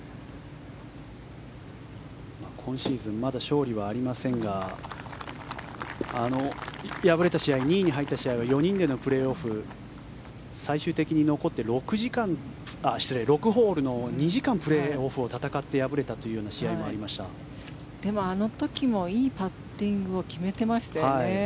今シーズンまだ勝利はありませんが敗れた試合、２位に入った試合は４人でのプレーオフ最終的に６ホールの２時間プレーオフを戦ってあの時もいいパッティングを決めてましたよね。